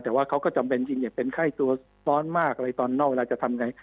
แต่ว่าเขาก็จำเป็นจริงอย่างเป็นไข้ตัวร้อนมากอะไรตอนนอกเวลาจะทำไง